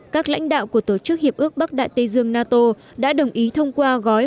các lãnh đạo của tổ chức hiệp ước bắc đại tây dương nato đã đồng ý thông qua gói